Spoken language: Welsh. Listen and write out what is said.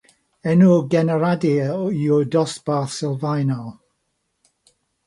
Enw'r generadur yw'r dosbarth sylfaenol.